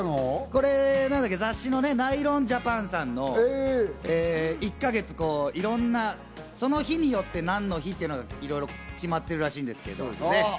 これ雑誌のね『ＮＹＬＯＮＪＡＰＡＮ』さんの１か月、いろんな、その日によって何の日っていうのが、いろいろ決まってるらしいんですね。